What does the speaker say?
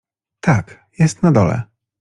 — Tak, jest na dole.